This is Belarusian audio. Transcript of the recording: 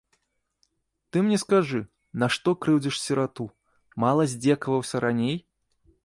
Ты мне скажы, нашто крыўдзіш сірату, мала здзекаваўся раней?